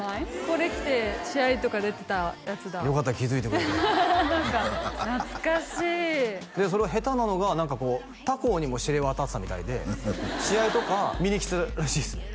これ着て試合とか出てたやつだよかった気づいてくれて何か懐かしいその下手なのが何かこう他校にも知れ渡ってたみたいで試合とか見に来たらしいですね